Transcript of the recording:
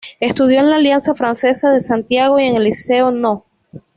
Estudió en la Alianza Francesa de Santiago y en el Liceo No.